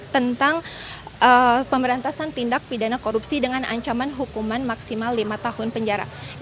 tentang pemberantasan tindak pidana korupsi dengan ancaman hukuman maksimal lima tahun penjara